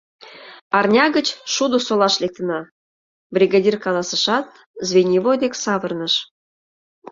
— Арня гыч шудо солаш лектына, — бригадир каласышат, звеньевой дек савырныш.